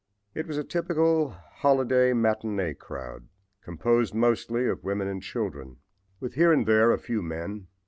It was a typical holiday matinee crowd, composed mostly of women and children, with here and there a few men.